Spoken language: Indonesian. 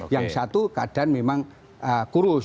yang satu keadaan memang kurus